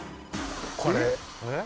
これ。